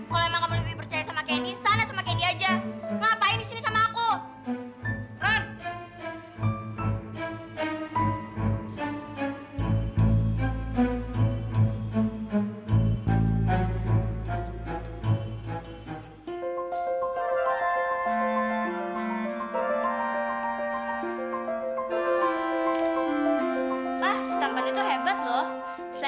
kalau emang kamu lebih percaya sama candy sana sama candy aja